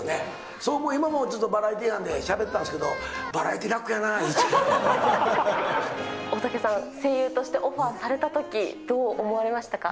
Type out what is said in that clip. そう、今もバラエティー班でしゃべったんですけど、バラエティー大竹さん、声優としてオファーされたとき、どう思われましたか？